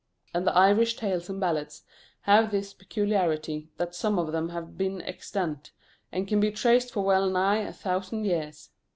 And the Irish tales and ballads have this peculiarity, that some of them have been extant, and can be traced for well nigh a thousand years.